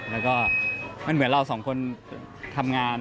แล้วก็มันเหมือนเราสองคนทำงาน